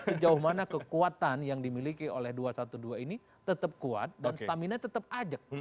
sejauh mana kekuatan yang dimiliki oleh dua ratus dua belas ini tetap kuat dan stamina tetap ajak